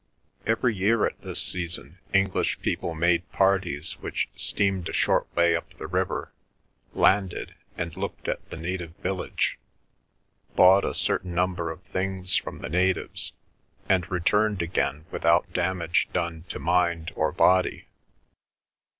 Every year at this season English people made parties which steamed a short way up the river, landed, and looked at the native village, bought a certain number of things from the natives, and returned again without damage done to mind or body.